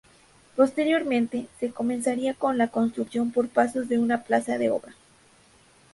Posteriormente, se comenzaría con la construcción por pasos de una plaza de obra.